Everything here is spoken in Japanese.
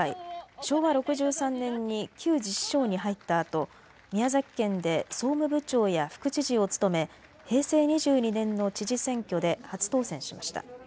昭和６３年に旧自治省に入ったあと宮崎県で総務部長や副知事を務め平成２２年の知事選挙で初当選しました。